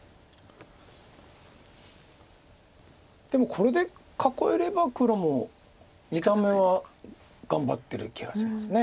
でもこれで囲えれば黒も見た目は頑張ってる気がします。